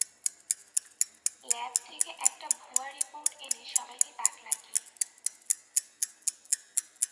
Lab থেকে একটা ভুয়া রিপোর্ট এনে সবাইকে তাক লাগিয়ে।